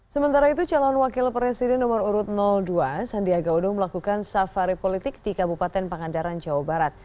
sementara itu calon wakil presiden nomor urut dua sandiaga uno melakukan safari politik di kabupaten pangandaran jawa barat